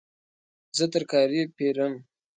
زه ترکاري پیرم